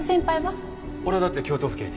俺はだって京都府警に。